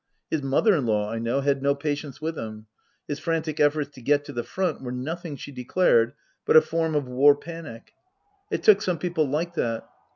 His mother in law, I know, had no patience with him. His frantic efforts to get to the front were nothing, she declared, but a form of war panic. It took some people like that.